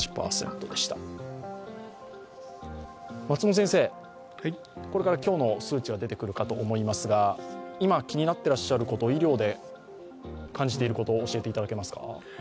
松本先生、これから今日の数値が出てくるかと思いますが今、気になっていらっしゃること、医療で感じていること教えていただけますか？